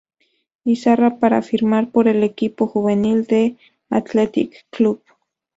Izarra para firmar por el equipo juvenil del Athletic Club.